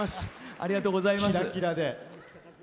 ありがとうございます。